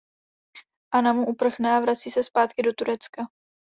Anna mu uprchne a vrací se zpátky do Turecka.